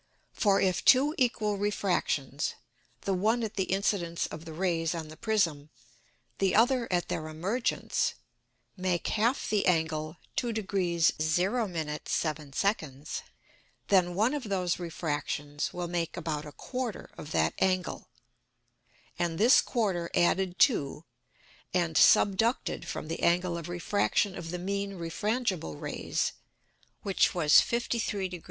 For, if two equal Refractions, the one at the Incidence of the Rays on the Prism, the other at their Emergence, make half the Angle 2 deg. 0´. 7´´. then one of those Refractions will make about a quarter of that Angle, and this quarter added to, and subducted from the Angle of Refraction of the mean refrangible Rays, which was 53 deg.